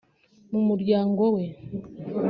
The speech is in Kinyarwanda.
mu muryango we